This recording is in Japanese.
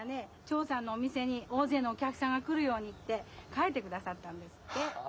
チョーさんのお店におおぜいのおきゃくさんが来るようにってかいてくださったんですって。